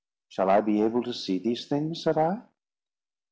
"Shall I be able to see these things?" said I.